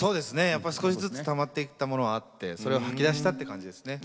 やっぱ少しずつたまっていったものがあってそれを吐き出したって感じですね。